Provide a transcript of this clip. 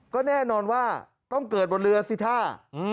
ก็แน่นอนว่าต้องเกิดบนเรือสิท่า